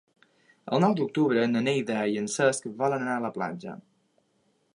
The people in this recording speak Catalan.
El nou d'octubre na Neida i en Cesc volen anar a la platja.